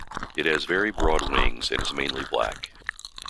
It has very broad wings, and is mainly black.